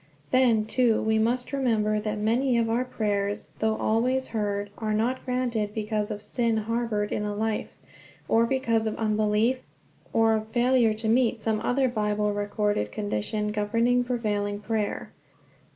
Then, too, we must remember that many of our prayers, though always heard, are not granted because of some sin harbored in the life, or because of unbelief, or of failure to meet some other Bible recorded condition governing prevailing prayer.